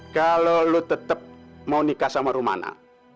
kalau lo tetap mau nikah sama rumana